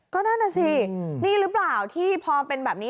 ก็นั่นน่ะสินี่หรือเปล่าที่พอเป็นแบบนี้